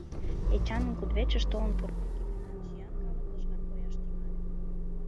Эчанын кудывечыш толын пурымеке гына, сӱан калык лыжган кояш тӱҥале.